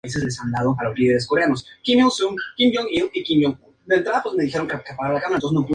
Estudió en un colegio metodista.